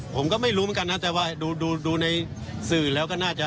ผมก็ไม่รู้เหมือนกันนะแต่ว่าดูในสื่อแล้วก็น่าจะ